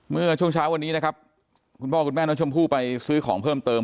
เมื่อช่วงเช้าวันนี้นะครับคุณพ่อคุณแม่น้องชมพู่ไปซื้อของเพิ่มเติม